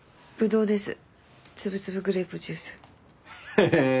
へえ！